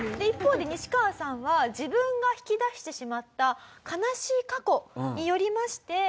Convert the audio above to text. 一方でニシカワさんは自分が引き出してしまった悲しい過去によりまして。